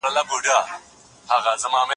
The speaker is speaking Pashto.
کېدای سي ليکنې اوږدې وي.